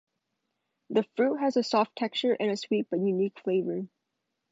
The fruit has a soft texture and a sweet but unique flavor.